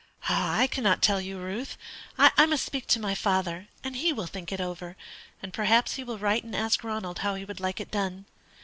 "I cannot tell you, Ruth. I must speak to my father, and he will think it over, and perhaps he will write and ask Ronald how he would like it done.